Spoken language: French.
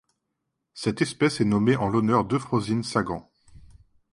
Cette espèce est nommée en l'honneur d'Eufrozyn Sagan.